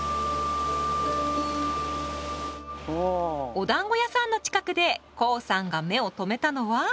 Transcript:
おだんご屋さんの近くでコウさんが目を留めたのは。